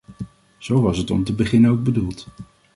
Zo was het om te beginnen ook bedoeld.